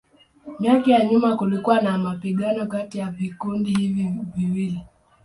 Miaka ya nyuma kulikuwa na mapigano kati ya vikundi hivi viwili.